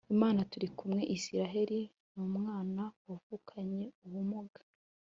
Imanaturikumwe Israel ni umwana wavukanye ubumuga